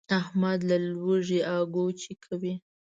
احمد له لوږې اګوچې کوي.